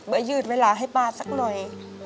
ยืดเวลาให้ป้าสักหน่อย